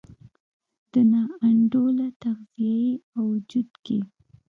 د نا انډوله تغذیې او وجود کې